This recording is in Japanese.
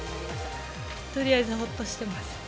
とりあえずほっとしてます。